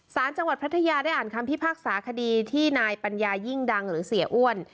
สารจังหวัดพัทยาได้อ่านคำพิพากษาคดีที่นายปัญญายิ่งดังหรือเสียอ้วน